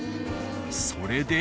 それで。